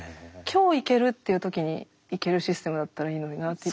今日行けるっていう時に行けるシステムだったらいいのになって。